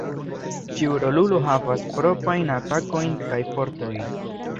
Ĉiu rolulo havas proprajn atakojn kaj fortojn.